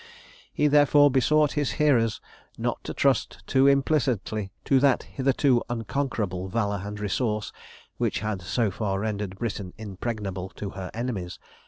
He therefore besought his hearers not to trust too implicitly to that hitherto unconquerable valour and resource which had so far rendered Britain impregnable to her enemies.